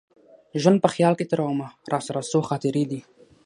ژوند په خیال کي تېرومه راسره څو خاطرې دي